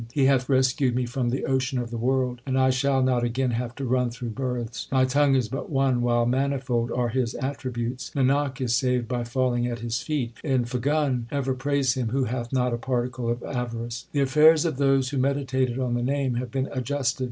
He hath rescued me from the ocean of the world, and I shall not again have to run through births. My tongue is but one, while manifold are His attributes : Nanak is saved by falling at His feet : In Phagun ever praise Him who hath not a particle of avarice. The affairs of those who meditated on the Name have been adjusted.